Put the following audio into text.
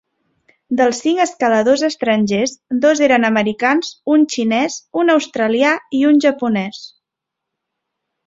Dels cinc escaladors estrangers dos eren americans, un xinès, un australià i un japonès.